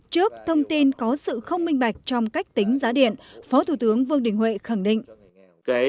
trước thông tin có sự không minh bạch trong cách tính giá điện phó thủ tướng vương đình huệ khẳng định